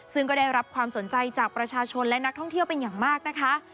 ซึ่งก็ได้รับความสนใจจากประชาชนและนักท่องเที่ยวเป็นอย่างมากนะคะ